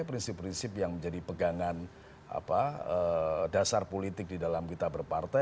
prinsip prinsip yang menjadi pegangan dasar politik di dalam kita berpartai